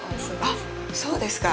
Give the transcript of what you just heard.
あっ、そうですか。